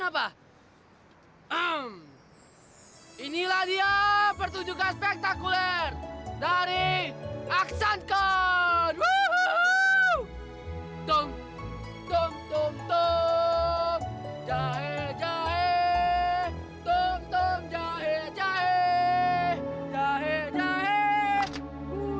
apa niat mereka dengan menculik aku